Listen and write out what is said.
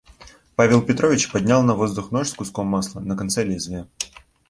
Павел Петрович поднял на воздух нож с куском масла на конце лезвия.